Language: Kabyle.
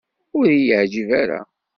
Ur iyi-yeɛjib ara.